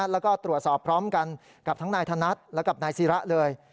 แล้วก็ตรวจสอบพร้อมกันกับทั้งนายธนัดและกับนายศิระเลย